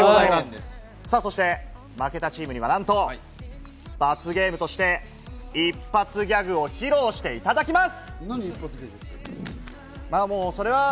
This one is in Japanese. そして負けたチームにはなんと罰ゲームとして一発ギャグを披露していただきます。